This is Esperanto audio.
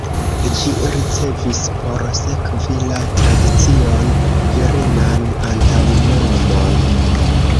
Ĝi ricevis, por sekvi la tradicion, virinan antaŭnomon.